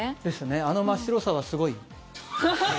あの真っ白さはすごい。